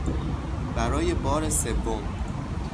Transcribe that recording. برای بار سوم